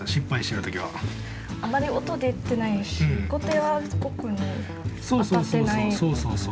あまり音出てないしコテはここに当たってない感じ。